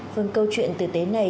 phương câu chuyện tử tế này